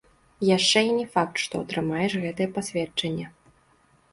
Яшчэ і не факт, што атрымаеш гэтае пасведчанне.